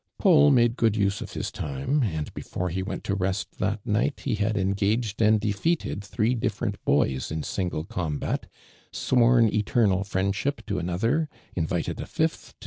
rani made good um» of his time, and iiefore he went to rest that night he had engaged and <lefeated three tlitlerent l)f)ys in single com biit, sworn eternal fri(>ndshi]) to another, in vited ii fifth to